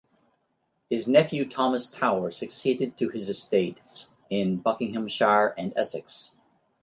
His nephew Thomas Tower succeeded to his estates in Buckinghamshire and Essex.